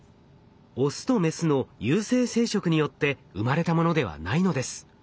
オスとメスの有性生殖によって生まれたものではないのです。